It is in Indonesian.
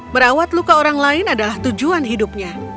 merawat luka orang lain adalah tujuan hidupnya